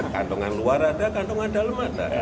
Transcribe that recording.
kantongan luar ada kantongan dalam ada